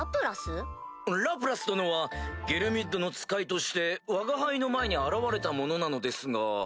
ラプラス殿はゲルミュッドの使いとしてわが輩の前に現れた者なのですが。